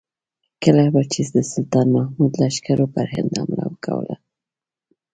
کله به چې د سلطان محمود لښکرو پر هند حمله کوله.